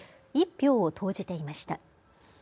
１票を投じていました。